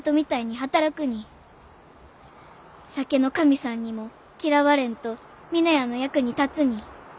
酒の神さんにも嫌われんと峰屋の役に立つに。